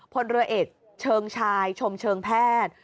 พลเรือเอกเชิงชายชมเชิงแพทย์